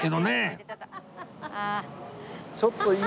ちょっと！